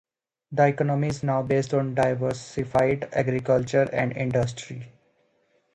The economy is now based on diversified agriculture and industry.